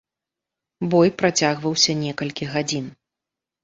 Бой працягваўся некалькі гадзін.